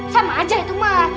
sama aja itu mah